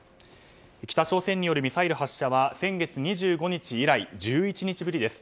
北朝鮮によるミサイル発射は先月２５日以来１１日ぶりです。